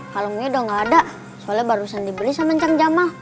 kalungnya udah gak ada soalnya barusan dibeli sama cang jamal